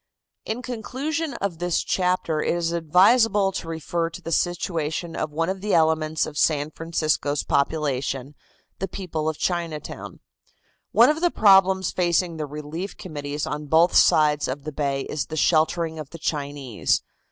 In conclusion of this chapter it is advisable to refer to the situation of one of the elements of San Francisco's population, the people of Chinatown. One of the problems facing the relief committees on both sides of the bay is the sheltering of the Chinese.